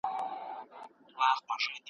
که څېړنه دقیق نه وي پایله به یې غلطه وي.